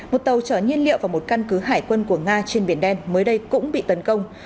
một tàu chở nhiên liệu vào một căn cứ hải quân của nga trên biển đen mới đây cũng bị tấn công